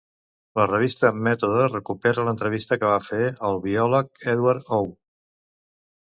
La revista Mètode recupera l'entrevista que va fer al biòleg Edward O.